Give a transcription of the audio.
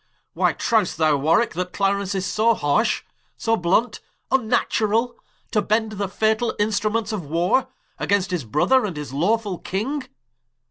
Why, trowest thou, Warwicke, That Clarence is so harsh, so blunt, vnnaturall, To bend the fatall Instruments of Warre Against his Brother, and his lawfull King.